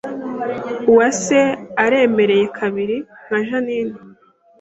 Uwase aremereye kabiri nka Jeaninne